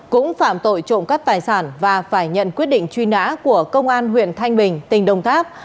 cũng phạm tội trộm cắp tài sản và phải nhận quyết định truy nã của công an huyện thanh bình tỉnh đồng tháp